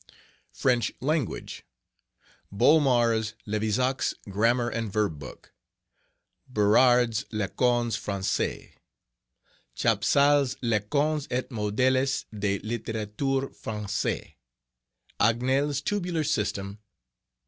French Language...........Bolmar's Levizac's Grammar and Verb Book. Berard's Lecons Francaises. Chapsal's Lecons Et Modeles de Litterature Francaise. Agnel's Tabular System.